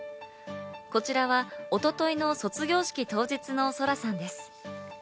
こちらは一昨日の卒業式当日の咲良さんです。